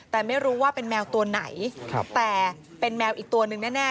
แต่ไม่รู้ว่าเป็นแมวตัวไหนแต่เป็นแมวอีกตัวหนึ่งแน่